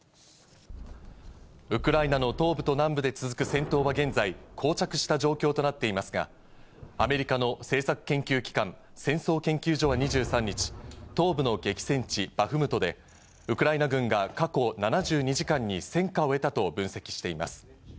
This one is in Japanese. ウクライナの東部と南部で続く戦闘は現在、こう着した状況となっていますが、アメリカの政策研究機関、戦争研究所は２３日、東部の激戦地、バフムトで、ウクライナ軍が過去７２時間に戦果を得たと分析しています。